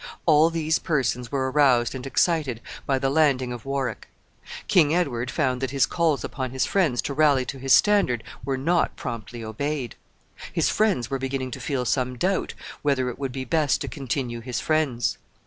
All these persons were aroused and excited by the landing of Warwick. King Edward found that his calls upon his friends to rally to his standard were not promptly obeyed. His friends were beginning to feel some doubt whether it would be best to continue his friends.